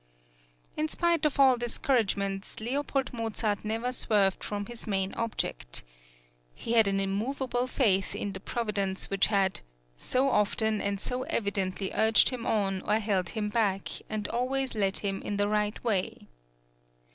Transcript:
In spite of all discouragements, L. Mozart never swerved from his main object. He had an immovable faith in the Providence which had "so often and so evidently urged him on or held him back, and always led him in the right way."